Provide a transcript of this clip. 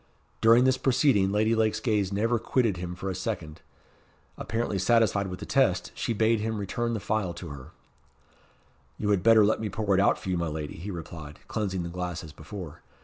During this proceeding Lady Lake's gaze never quitted him for a second. Apparently satisfied with the test, she bade him return the phial to her. "You had better let me pour it out for you, my lady," he replied, cleansing the glass as before.